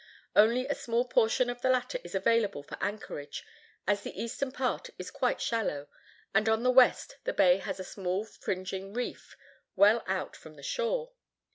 Only a small portion of the latter is available for anchorage, as the eastern part is quite shallow, and on the west the bay has a small fringing reef well out from the shore.